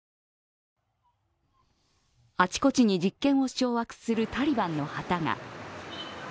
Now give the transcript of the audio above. あちこちに実権を掌握するタリバンの旗が。